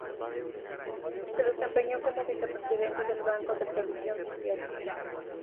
Se desempeñó como Vicepresidente del Banco de Previsión Social.